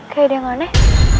kayak ada yang aneh